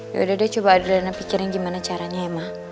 yaudah deh coba adriana pikirin gimana caranya ya ma